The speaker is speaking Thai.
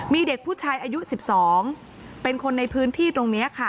มีเด็กผู้ชายอายุ๑๒เป็นคนในพื้นที่ตรงนี้ค่ะ